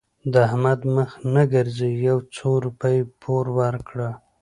د احمد مخ نه ګرځي؛ يو څو روپۍ پور ورکړه.